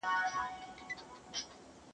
¬ ټوله عمر د عبادت يوه خبره د حقيقت.